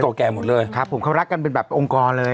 แก่หมดเลยครับผมเขารักกันเป็นแบบองค์กรเลย